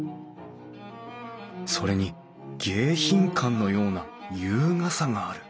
それに迎賓館のような優雅さがある